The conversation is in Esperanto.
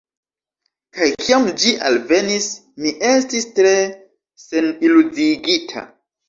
Kaj kiam ĝi alvenis, mi estis tre seniluziigita.